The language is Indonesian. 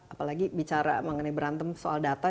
apalagi bicara mengenai berantem soal data